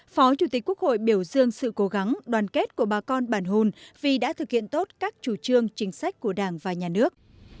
phó chủ tịch quốc hội biểu dương sự cố gắng đoàn kết của bà con bản hồn vì đã thực hiện tốt các chủ trương chính sách của đảng và nhà nước